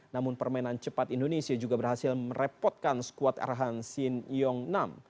namun permainan cepat indonesia juga berhasil merepotkan skuad arahan sin yong nam